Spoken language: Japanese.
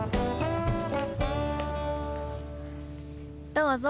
どうぞ。